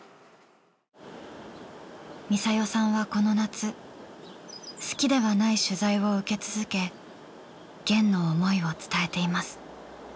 ミサヨさんはこの夏好きではない取材を受け続け『ゲン』の思いを伝えています。